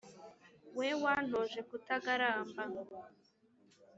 we wantoje ku tagaramba